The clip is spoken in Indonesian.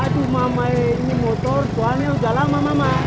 aduh mama ini motor jualnya udah lama mama